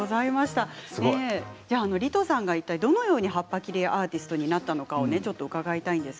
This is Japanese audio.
リトさんがどのように葉っぱ切り絵アーティストになったのか伺いたいと思います。